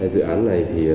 dự án này